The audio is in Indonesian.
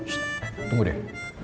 shh tunggu deh